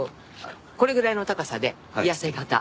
これぐらいの高さで痩せ形。